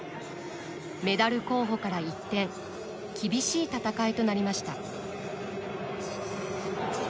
メダル候補から一転厳しい戦いとなりました。